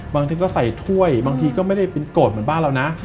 บางทีก็ใส่ถ้วยบางทีก็ไม่ได้เป็นโกรธเหมือนบ้านเรานะ